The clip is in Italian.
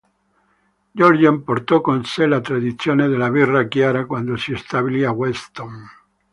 Georgian portò con sé la tradizione della birra chiara quando si stabilì a Weston.